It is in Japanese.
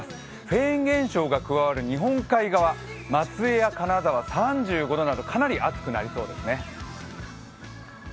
フェーン現象が加わる日本海側、松江や金沢３５度などかなり暑くなりそうですね。